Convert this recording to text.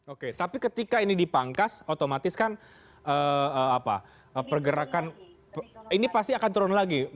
oke tapi ketika ini dipangkas otomatis kan pergerakan ini pasti akan turun lagi